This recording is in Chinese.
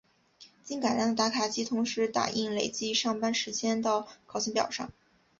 经改良的打卡机同时打印累计上班时间到考勤表上。